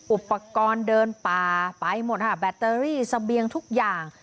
อุปกรณ์เดินป่าไปหมดค่ะแบตเตอรี่เสบียงทุกอย่าง